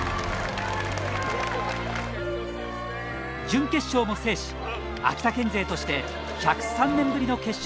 準決勝も制し秋田県勢として１０３年ぶりの決勝進出を果たします。